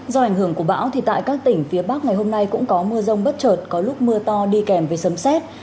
do ảnh hưởng của bão thì tại các tỉnh phía bắc ngày hôm nay cũng có mưa rông bất trợt có lúc mưa to đi kèm với sấm xét